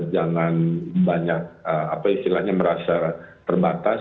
jangan banyak apa istilahnya merasa terbatas